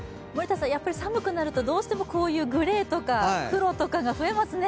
やっぱり寒くなるとどうしてもグレーとか黒とかが増えますね。